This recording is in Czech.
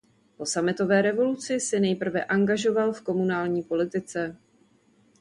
Po sametové revoluci se nejprve angažoval v komunální politice.